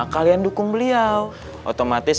kalian dukung beliau otomatis